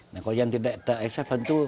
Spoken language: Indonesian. nah kalau yang tidak terekses tentu